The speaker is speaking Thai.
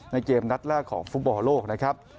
ในเกมรัฐแรกของฟุตบอล์โลก